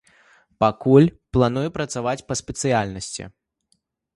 Пакуль, планую працаваць па спецыяльнасці.